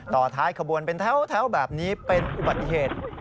ต่อท้ายขบวนเป็นแถวแบบนี้เป็นอุบัติเหตุ